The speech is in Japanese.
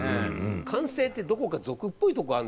完成ってどこか俗っぽいとこあるんですよ。